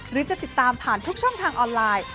หรือจะติดตามผ่านทุกช่องทางออนไลน์